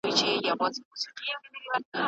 ګذرګاه بې زیارته نه ده.